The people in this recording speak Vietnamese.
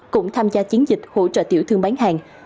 cũng tham gia chiến dịch hỗ trợ tiểu thương bán hàng